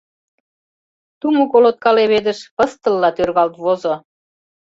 Тумо колотка леведыш пыстылла тӧргалт возо.